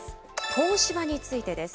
東芝についてです。